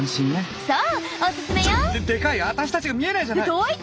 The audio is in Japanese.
アタシたちが見えないじゃない！